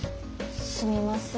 すみません。